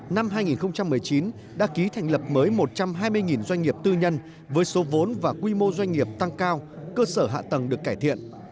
năm hai nghìn một mươi chín đã ký thành lập mới một trăm hai mươi doanh nghiệp tư nhân với số vốn và quy mô doanh nghiệp tăng cao cơ sở hạ tầng được cải thiện